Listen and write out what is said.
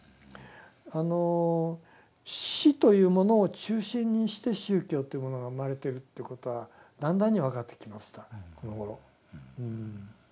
あの死というものを中心にして宗教というものが生まれてるっていうことはだんだんに分かってきましたこのごろ。